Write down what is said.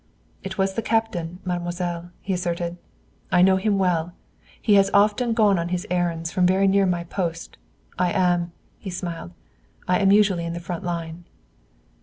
"It was the captain, mademoiselle," he asserted. "I know him well. He has often gone on his errands from near my post. I am" he smiled "I am usually in the front line."